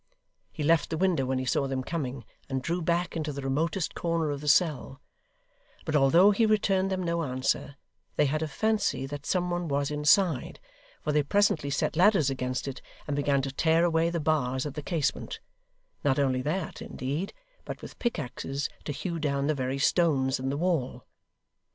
He left the window when he saw them coming, and drew back into the remotest corner of the cell; but although he returned them no answer, they had a fancy that some one was inside, for they presently set ladders against it, and began to tear away the bars at the casement; not only that, indeed, but with pickaxes to hew down the very stones in the wall.